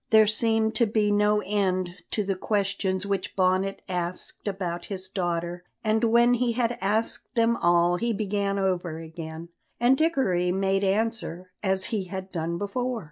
There seemed to be no end to the questions which Bonnet asked about his daughter, and when he had asked them all he began over again, and Dickory made answer, as he had done before.